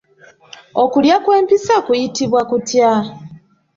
Okulya kw'empisa kuyitibwa kutya?